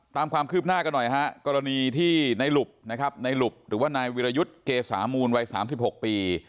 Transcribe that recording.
ตามความคืบหน้ากันหน่อยกรณีที่ในหลุบหรือว่านายวิรยุทธ์เกษมูลวัย๓๖ปี